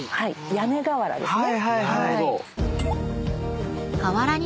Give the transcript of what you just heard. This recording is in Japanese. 屋根瓦ですね。